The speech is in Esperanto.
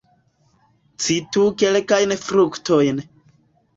Citu kelkajn fruktojn.